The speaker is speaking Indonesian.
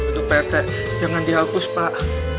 aduh pak rete jangan dihapus pak